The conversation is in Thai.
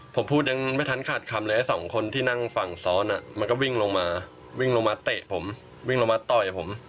ผมพูดยังไม่ทันขาดคำเลยไอ้สองคนที่นั่งฝั่งซ้อนมันก็วิ่งลงมาวิ่งลงมาเตะผมวิ่งลงมาต่อยผม